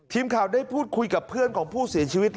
ทีมข่าวได้พูดคุยกับเพื่อนของผู้เสียชีวิต